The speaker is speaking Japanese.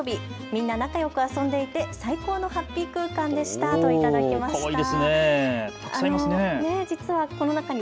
みんな仲よく遊んでいて最高のハッピー空間でしたと頂きました。